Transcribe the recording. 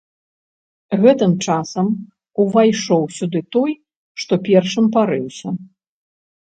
Гэтым часам увайшоў сюды той, што першым парыўся.